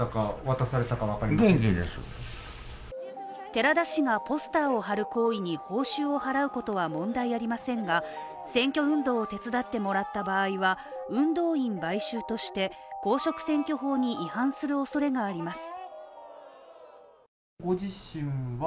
寺田氏がポスターを貼る行為に報酬を払うことは問題ありませんが選挙運動を手伝ってもらった場合は運動員買収として公職選挙法に違反するおそれがあります。